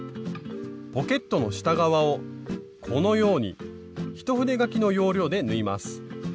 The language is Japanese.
ポケットの下側をこのように一筆書きの要領で縫います。